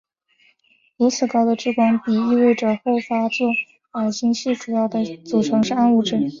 如此高的质光比意味着后发座矮星系主要的组成是暗物质。